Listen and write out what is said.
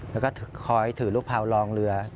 แล้วก็คอยถือลูกเผาลองเรือ